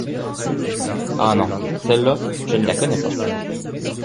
Ah non, celle-là, je ne la connais pas.